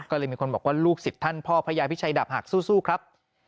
ก็เลยมีคนบอกว่าลูกศิษย์ท่านพ่อพระยาพิชัยดาบหักสู้ครับ